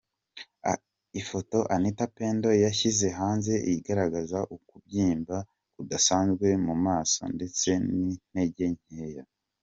Ifoto Anita Pendo yashyize hanze igaragaza ukubyimba kudasanzwe mu maso ndetse n’intege nkeya.